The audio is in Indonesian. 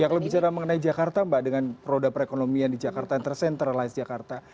ya kalau bicara mengenai jakarta mbak dengan roda perekonomian di jakarta yang tersentralize jakarta